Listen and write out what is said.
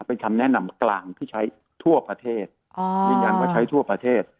เป็นคำแนะนำกลางที่ใช้ทั่วประเทศยืนยันว่าใช้ทั่วประเทศ